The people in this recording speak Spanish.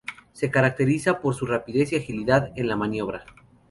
Se caracterizaba por su rapidez y agilidad en la maniobra.